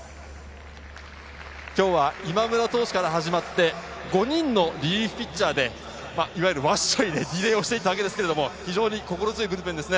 今日は今村投手から始まって５人のリリーフピッチャーで、いわゆるワッショイでリレーをしていったわけですけど非常に心強いですね。